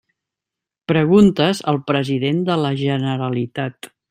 Preguntes al president de la Generalitat.